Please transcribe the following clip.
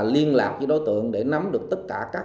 liên lạc với đối tượng để nắm được tất cả các thông tin